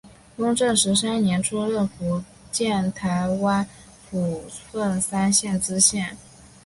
雍正十三年出任福建台湾府凤山县知县。